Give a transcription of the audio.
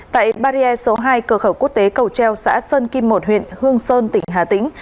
tại barrier số hai cửa khẩu quốc tế cầu treo xã sơn kim một huyện hương sơn tỉnh hà tĩnh